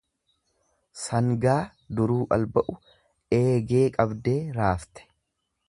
Sangaa duruu alba'u eegee qabdee raafte.